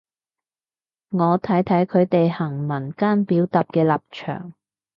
我睇睇佢哋行文間表達嘅立場